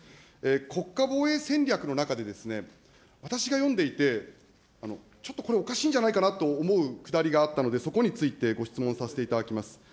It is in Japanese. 国家防衛戦略の中で、私が読んでいて、ちょっとこれ、おかしいんじゃないかなと思うくだりがあったので、そこについてご質問させていただきます。